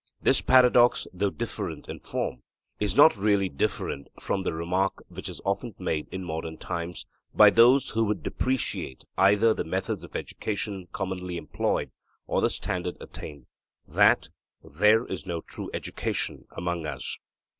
This paradox, though different in form, is not really different from the remark which is often made in modern times by those who would depreciate either the methods of education commonly employed, or the standard attained that 'there is no true education among us.'